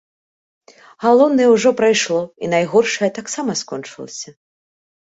Галоўнае ўжо прайшло, і найгоршае таксама скончылася.